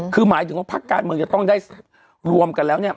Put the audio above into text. คือหมายถึงว่าพักการเมืองจะต้องได้รวมกันแล้วเนี่ย